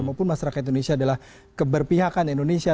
maupun masyarakat indonesia adalah keberpihakan indonesia